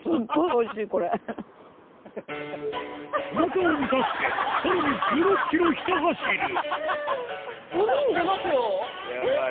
おなかを満たしてさらに１６ｋｍひた走るえっ